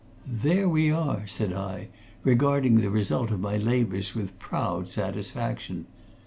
"There we are!" said I, regarding the result of my labours with proud satisfaction.